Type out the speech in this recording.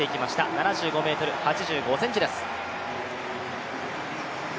７２ｍ８５ｃｍです。